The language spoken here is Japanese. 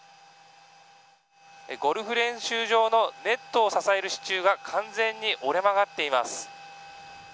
ゴルフ練習場のネットを支える支柱が完全に折れ曲がっています。